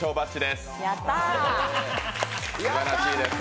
すばらしいです。